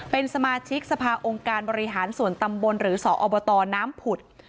เป็นสมาชิกสภาองค์การบริหารส่วนตำบลหรือสอบตน้ำผุด